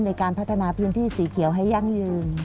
ในการพัฒนาพื้นที่สีเขียวให้ยั่งยืน